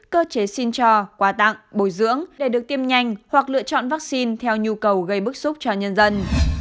cơ chế xin cho quà tặng bồi dưỡng để được tiêm nhanh hoặc lựa chọn vaccine theo nhu cầu gây bức xúc cho nhân dân